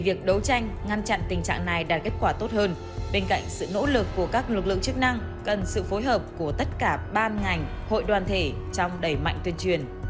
vũ lực của các lực lượng chức năng cần sự phối hợp của tất cả ban ngành hội đoàn thể trong đẩy mạnh tuyên truyền